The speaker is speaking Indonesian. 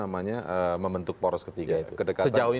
membentuk poros ketiga itu